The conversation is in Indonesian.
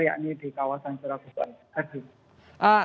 yakni di kawasan surabaya